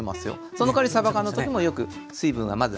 そのかわりサバ缶の時もよく水分はまずは切って。